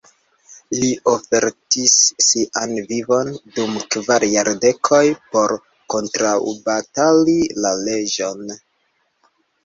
Li ofertis sian vivon dum kvar jardekoj por kontraŭbatali la leĝon.